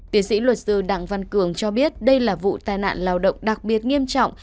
tiến sĩ luật sư đặng văn cường cho biết đây là vụ tai nạn lao động đặc biệt nghiêm trọng